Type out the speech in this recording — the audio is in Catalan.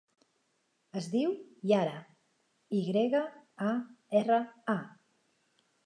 Es diu Yara: i grega, a, erra, a.